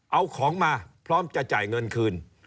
เอาของมาพร้อมจะจ่ายเงินคืน